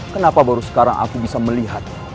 kenapa baru sekarang aku bisa melihat